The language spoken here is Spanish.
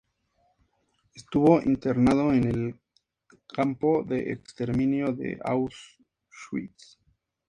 Estuvo internado en el campo de exterminio de Auschwitz.